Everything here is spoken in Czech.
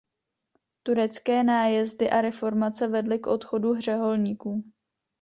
Turecké nájezdy a reformace vedly k odchodu řeholníků.